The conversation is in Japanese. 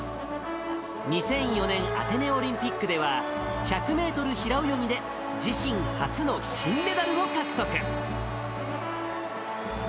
２００４年、アテネオリンピックでは１００メートル平泳ぎで、自身初の金メダルを獲得。